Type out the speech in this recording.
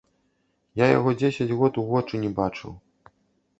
Я яго дзесяць год у вочы не бачыў.